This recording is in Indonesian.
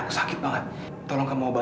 kamu bares berantem sama perempuan